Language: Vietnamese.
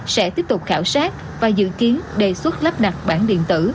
sẽ tiếp tục khảo sát và dự kiến đề xuất lắp đặt bản điện tử